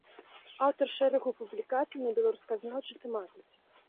Аўтар шэрагу публікацый па беларусазнаўчай тэматыцы.